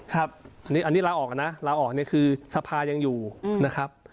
ครับอันนี้ลาออกนะลาออกเนี่ยคือสภายังอยู่นะครับ